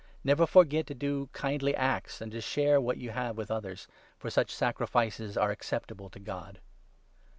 Never forget to do kindly acts and to share what you i( have with others, for such sacrifices are acceptable to God.